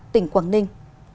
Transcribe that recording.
tỉnh quảng ninh